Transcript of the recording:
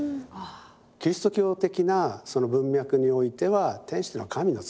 キリスト教的なその文脈においては天使というのは神の使いである。